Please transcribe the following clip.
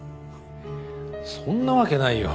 そんなわけないよ。